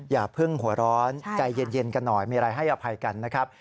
อย่าเพิ่งหัวร้อนใจเย็นกันหน่อยมีอะไรให้อภัยกันนะครับ